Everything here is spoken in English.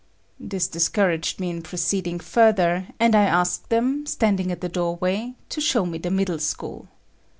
This discouraged me in proceeding further, and I asked them, standing at the door way, to show me the middle school.